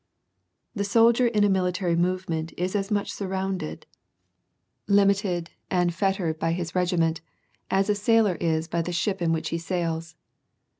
The soldier in a military movement is as much sanounded, WAR AND PEACE, 329 limited, and fettered by his regiment, as a sailor is by the ship on which he sails.